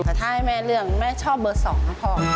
แต่ถ้าให้แม่เลือกแม่ชอบเบอร์๒นะพ่อ